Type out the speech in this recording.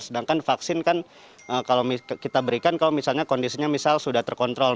sedangkan vaksin kan kalau kita berikan kalau misalnya kondisinya misal sudah terkontrol